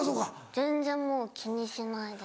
全然もう気にしないです。